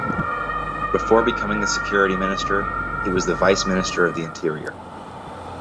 Before becoming the security minister, he was the vice minister of the interior.